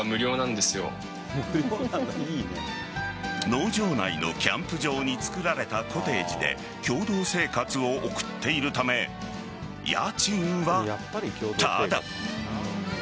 農場内のキャンプ場に作られたコテージで共同生活を送っているため家賃はただ。